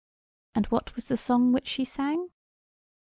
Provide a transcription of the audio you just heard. And what was the song which she sang?